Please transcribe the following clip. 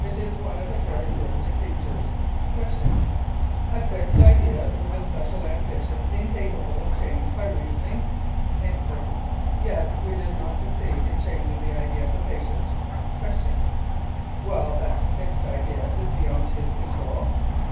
It is one of the characteristic features. Q. A fixed idea with a special ambition incapable of change by reasoning? A. Yes, we did not succeed in changing the idea of the patient. Q. Well, that fixed idea is beyond his control?